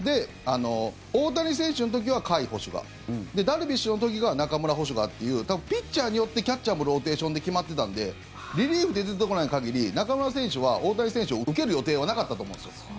大谷選手の時は甲斐捕手がで、ダルビッシュの時が中村捕手がっていう多分、ピッチャーによってキャッチャーもローテーションで決まってたんでリリーフで出てこない限り中村選手は大谷選手を受ける予定はなかったと思うんですよ。